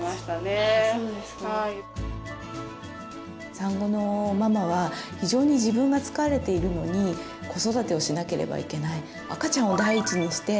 産後のママは非常に自分が疲れているのに子育てをしなければいけない。